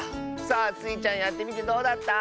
さあスイちゃんやってみてどうだった？